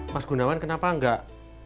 mas gunawan kenapa gak